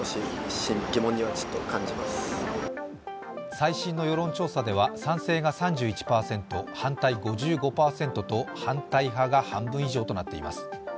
最新の世論調査では賛成が３１％、反対５５％と、反対派が半分以上となっています。